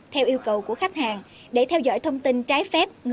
theo yêu cầu của khách hàng để theo dõi thông tin trái phép